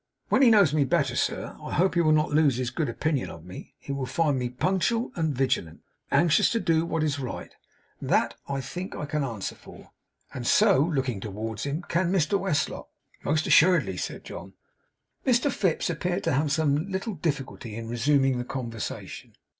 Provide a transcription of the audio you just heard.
When he knows me better, sir, I hope he will not lose his good opinion of me. He will find me punctual and vigilant, and anxious to do what is right. That I think I can answer for, and so,' looking towards him, 'can Mr Westlock.' 'Most assuredly,' said John. Mr Fips appeared to have some little difficulty in resuming the conversation.